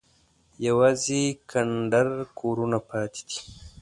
یوازې کنډر کورونه یې پاتې دي.